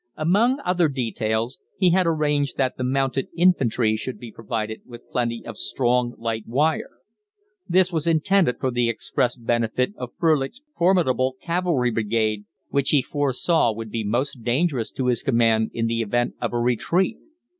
Among other details, he had arranged that the mounted infantry should be provided with plenty of strong light wire. This was intended for the express benefit of Frölich's formidable cavalry brigade, which he foresaw would be most dangerous to his command in the event of a retreat.